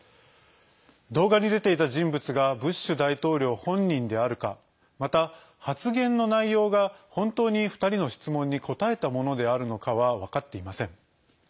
動画に出ていた人物がブッシュ大統領本人であるかまた、発言の内容が本当に２人の質問に答えたものであるのかは分かっていません。